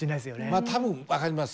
まあ多分分かります。